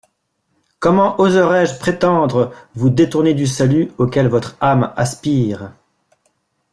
Comment oserais-je prétendre vous détourner du salut auquel votre âme aspire?